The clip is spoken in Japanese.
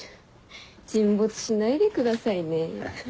沈没しないでくださいね。